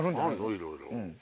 いろいろ。